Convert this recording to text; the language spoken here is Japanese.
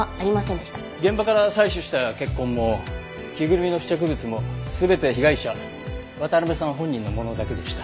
現場から採取した血痕も着ぐるみの付着物も全て被害者渡辺さん本人のものだけでした。